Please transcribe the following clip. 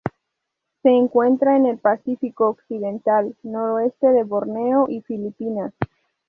Se encuentra en el Pacífico occidental: noreste de Borneo y Filipinas.